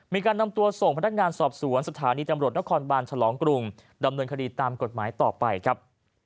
มีการนำตัวส่งพนักงานสอบสวนสถานีตำรวจนครบานฉลองกรุงดำเนินคดีตามกฎหมายต่อไปครับ